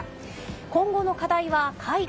今後の課題は、海外。